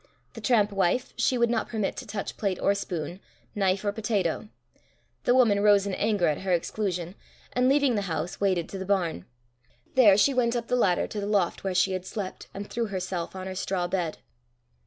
"The tramp wife" she would not permit to touch plate or spoon, knife or potato. The woman rose in anger at her exclusion, and leaving the house waded to the barn. There she went up the ladder to the loft where she had slept, and threw herself on her straw bed.